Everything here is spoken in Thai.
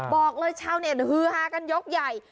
บอกเลยชาวเน็ตฮือฮากันยกใหญ่